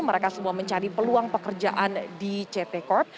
mereka semua mencari peluang pekerjaan di ct corp